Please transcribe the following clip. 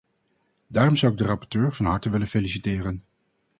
Daarom zou ik de rapporteur van harte willen feliciteren.